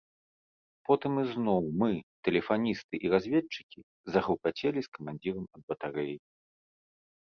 Потым ізноў мы, тэлефаністы і разведчыкі, загрукацелі з камандзірам ад батарэі.